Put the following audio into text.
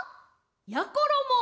やころも！